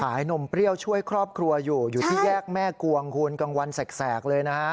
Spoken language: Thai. นมเปรี้ยวช่วยครอบครัวอยู่อยู่ที่แยกแม่กวงคุณกลางวันแสกเลยนะฮะ